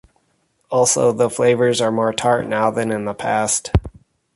Also, the flavors are more tart now than in the past.